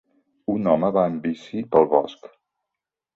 un home va en bici pel bosc